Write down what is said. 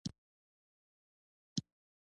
قومي مشرانو بغاوت کړی وو.